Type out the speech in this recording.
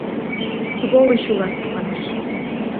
— Сволыч улат, манеш!